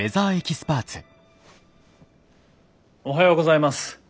おはようございます。